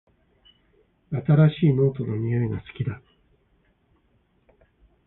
新しいノートの匂いが好きだ